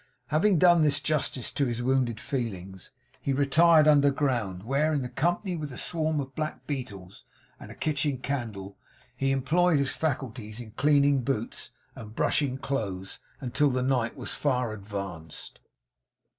Having done this justice to his wounded feelings, he retired underground; where, in company with a swarm of black beetles and a kitchen candle, he employed his faculties in cleaning boots and brushing clothes until the night was far advanced.